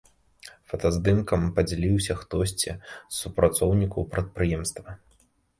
Фотаздымкам падзяліўся хтосьці з супрацоўнікаў прадпрыемства.